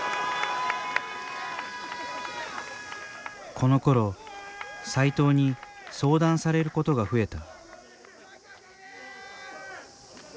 このころ斎藤に相談されることが増えた。